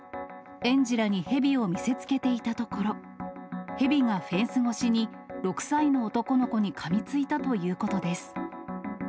園児らにヘビを見せつけていたところ、ヘビがフェンス越しに、６歳の男の子にかみついたということです。